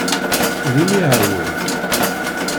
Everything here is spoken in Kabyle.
D imihawen.